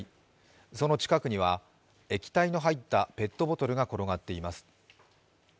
その近くには液体の入ったペットボトルが転がっています。